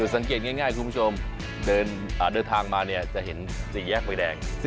สังเกตง่ายคุณผู้ชมเดินทางมาเนี่ยจะเห็นสี่แยกไฟแดง